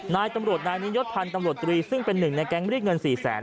นายตำรวจนายนี้ยศพันธ์ตำรวจตรีซึ่งเป็นหนึ่งในแก๊งเรียกเงิน๔แสน